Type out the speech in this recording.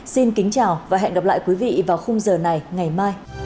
xin kính chào và hẹn gặp lại quý vị vào khung giờ này ngày mai